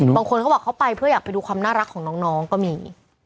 บางคนเขาบอกเขาไปเพื่ออยากไปดูความน่ารักของน้องก็มี